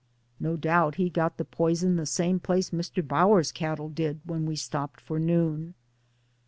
No doubt he got the poison the same place Mr. Bower's cattle did when we stopped for noon.